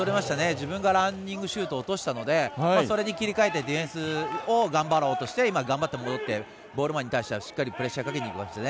自分がランニングシュートを落としたのでそれに切り替えてディフェンスを頑張ろうとして頑張って戻ってゴール前に戻ってしっかりプレッシャーをかけにいきましたね。